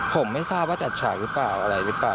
ผมไม่ทราบว่าจัดฉากหรือเปล่าอะไรหรือเปล่า